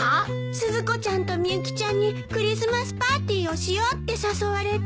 スズコちゃんとみゆきちゃんにクリスマスパーティーをしようって誘われて。